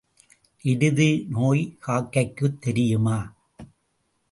எருது நோய் காக்கைக்குத் தெரியுமா?